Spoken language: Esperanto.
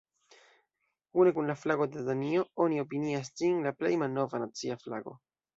Kune kun la flago de Danio, oni opinias ĝin la plej malnova nacia flago.